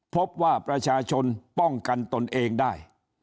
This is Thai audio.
พบว่าประชาชนป้องกันตนเองได้